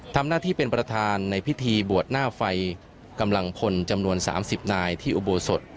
ทำหน้าที่เป็นประธานในพิธีบวชหน้าไฟกำลังพลจำนวน๓๐นายที่อุโบสถ